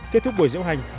kết thúc buổi rượu hành